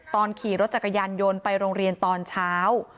ตอนขี่รถจักรยานยนต์ไปโรงเรียนตอนเช้า